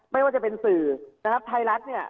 ไม่ว่าจะเป็นสื่อนะครับไทยรัฐเนี่ย